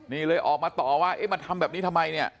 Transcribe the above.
นี่เลยออกมาต่อว่าเอ๊ะมาทำแบบนี้ทำไมเนี่ย